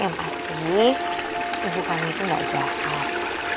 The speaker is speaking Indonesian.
yang pasti ibu kami itu gak jahat